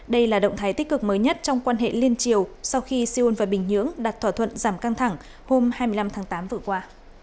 đây là động thái tích cực mới nhất trong quan hệ liên triều sau khi seoul và bình nhưỡng đặt thỏa thuận giảm căng thẳng hôm hai mươi năm tháng tám vừa qua